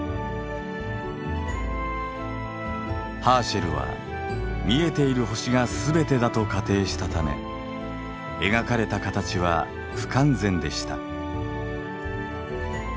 ハーシェルは見えている星が全てだと仮定したため描かれた形は不完全でした。